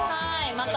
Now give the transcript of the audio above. また。